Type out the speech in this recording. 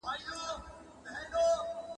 بې وزله خلګ زموږ وروڼه دي.